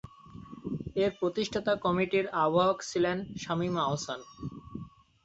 এর প্রতিষ্ঠাতা কমিটির আহবায়ক ছিলেন শামীম আহসান।